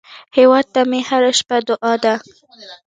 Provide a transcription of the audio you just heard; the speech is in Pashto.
هیواد ته مې هره شپه دعا ده